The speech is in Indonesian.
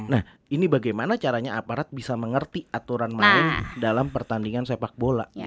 nah ini bagaimana caranya aparat bisa mengerti aturan main dalam pertandingan sepak bola